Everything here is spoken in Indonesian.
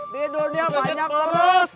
di dunia banyak poros